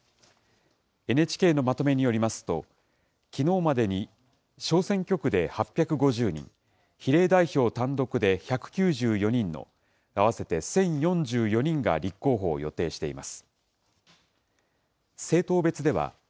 ＮＨＫのまとめによりますと、きのうまでに小選挙区で８５０人、比例代表単独で１９４人の合わせて１０４４人が立候補を予定しています。